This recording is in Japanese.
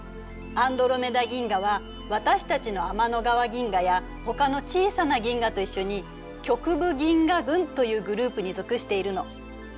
アンドロメダ銀河は私たちの天の川銀河やほかの小さな銀河と一緒に局部銀河群というグループに属しているの。